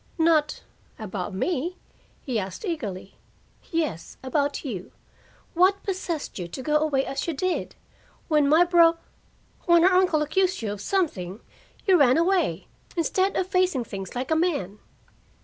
"Not about me?" he asked eagerly. "Yes, about you. What possessed you to go away as you did? When my bro when her uncle accused you of something, you ran away, instead of facing things like a man."